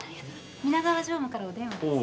皆川常務からお電話です。